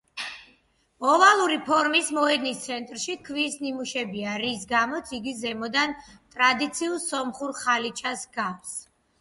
ოვალური ფორმის მოედნის ცენტრში ქვის ნიმუშებია, რის გამოც იგი ზემოდან ტრადიციულ სომხურ ხალიჩას ჰგავს.